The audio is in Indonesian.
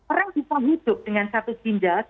orang bisa hidup dengan satu ginjal